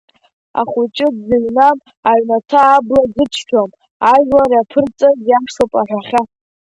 Ахәыҷы дзыҩнам аҩнаҭа абла зыччом ажәлар иаԥырҵаз иашоуп аҳәахьа.